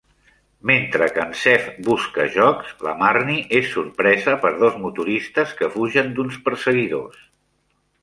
Mentre que en Zeph busca jocs, la Marnie és sorpresa per dos motoristes que fugen d'uns perseguidors.